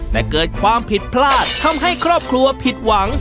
แต่เกิดความผิดพลาดทำให้ครอบครัวผิดหวัง